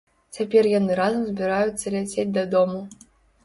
Цяпер яны разам збіраюцца ляцець дадому.